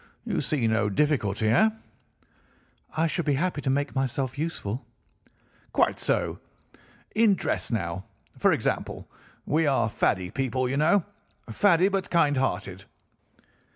You see no difficulty, heh?' "'I should be happy to make myself useful.' "'Quite so. In dress now, for example. We are faddy people, you know—faddy but kind hearted.